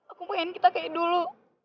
aku pengen kita kayak dulu